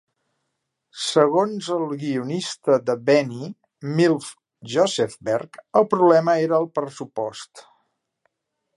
Segons el guionista de Benny, Milt Josefsberg, el problema era el pressupost.